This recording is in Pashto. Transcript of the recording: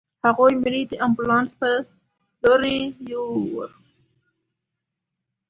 هغوی مړی د امبولانس په لورې يووړ.